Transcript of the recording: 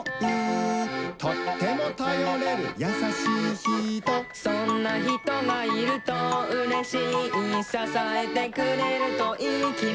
「とってもたよれるやさしいひと」「そんなひとがいるとうれしい」「ささえてくれるといいきもち」